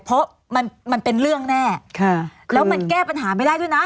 เพราะมันมันเป็นเรื่องแน่แล้วมันแก้ปัญหาไม่ได้ด้วยนะ